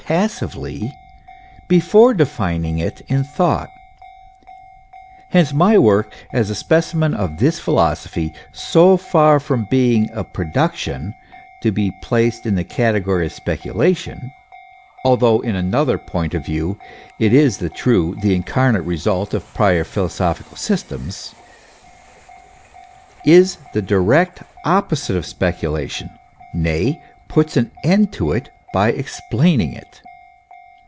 passively, hefore defining it in thought. Hence my work, as a specimen of this philosophy, so far from being a production to be placed in the category of Speculation, although in another point of view it is the true, the incarnate result of prior philo sophical systems, is the direct opposite of speculation, nay, puts an end to it by explaining it.